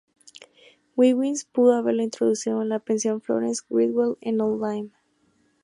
Wiggins pudo haberla introducido en la pensión "Florence Griswold" en "Old Lyme".